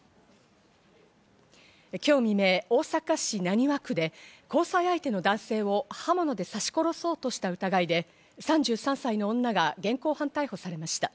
今日未明、大阪市浪速区で交際相手の男性を刃物で刺し殺そうとした疑いで、３３歳の女が現行犯逮捕されました。